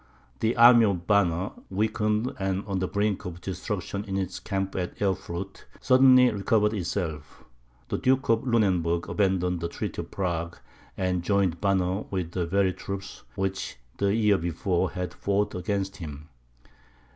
The army of Banner, weakened and on the brink of destruction in its camp at Erfurt, suddenly recovered itself. The Duke of Lunenburg abandoned the treaty of Prague, and joined Banner with the very troops which, the year before, had fought against him.